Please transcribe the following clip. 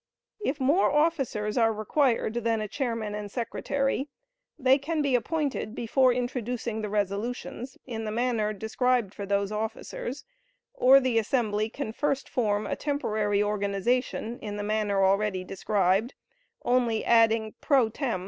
If more officers are required than a chairman and secretary, they can be appointed before introducing the resolutions, in the manner described for those officers; or the assembly can first form a temporary organization in the manner already described, only adding "pro tem."